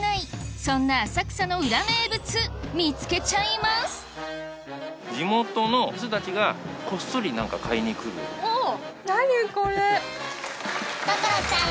そんな浅草の裏名物見つけちゃいますおぉ！